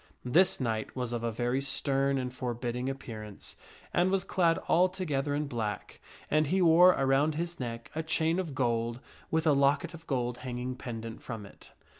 This knight was of a very stern and forbidding appearance, and was clad altogether in black, and he wore around^his neck a chain of gold, with a locket of gold hanging pendant from it.